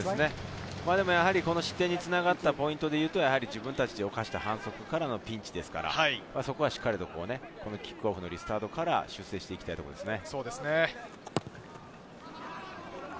でも、失点につながったポイントでいうと、やはり自分たちで犯した反則からのピンチですから、そこはしっかりとキックオフのリスタートから修正していきたいですね。